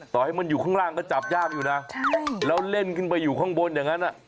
ต่อให้มันอยู่ข้างล่างก็จับยากอยู่นะแล้วเล่นขึ้นไปอยู่ข้างบนอย่างนั้น